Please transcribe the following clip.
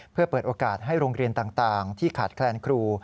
เพื่อเปิดโอกาสให้โรงเรียนต่างที่ขาดแคลนครู